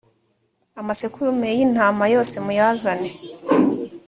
amasekurume y’intama yose muyazane